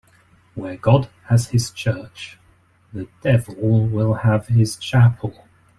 Where God has his church, the devil will have his chapel.